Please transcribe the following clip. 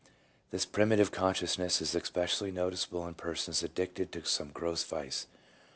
This primitive consciousness is especially noticeable in persons addicted to some gross vice.